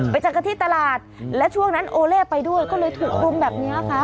ไปเจอกันที่ตลาดและช่วงนั้นโอเล่ไปด้วยก็เลยถูกรุมแบบนี้ค่ะ